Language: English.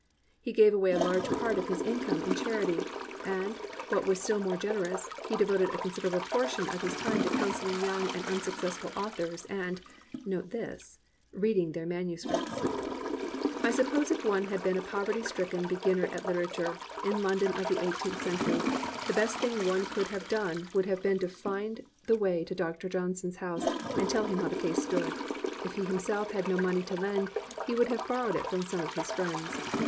He gave away a large part of his income in charity; and, what was still more generous, he devoted a considerable portion of his time to counseling young and unsuccessful authors and, (note this,) reading their manuscripts, I suppose if one had been a poverty stricken be ginner at literature, in London of the eighteenth century, the best thing one could have done would 328 A STURDY BELIEVER have been to find the way to Dr. Johnson's house and tell him how the case stood. K he himself had no money to lend, he would have borrowed it from some of his friends.